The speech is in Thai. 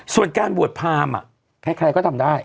และการบวชพาล์มแค่ใครก็ทำได้